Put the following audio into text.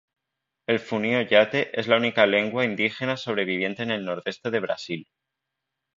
El funiô-yatê es la única lengua indígena sobreviviente en el nordeste de Brasil.